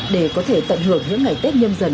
để có thể tận hưởng những ngày tết nhâm dần